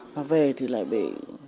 và về thì lại bị